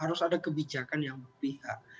harus ada kebijakan yang berpihak